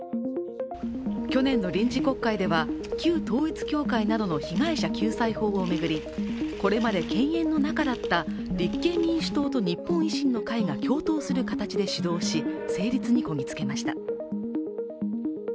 去年の臨時国会では、旧統一教会などの被害者救済法を巡り、これまで犬猿の仲だった立憲民主党と日本維新の会が共闘する形で主導し成立にこぎ着けました。